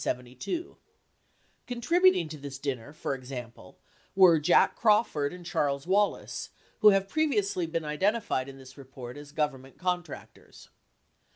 86 Contributing to this dinner, for example, were Jack Crawford and Charles Wallace who have been previously identified in this report as Government contractors.